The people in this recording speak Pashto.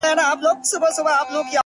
o زخمي ـ زخمي سترګي که زما وویني ـ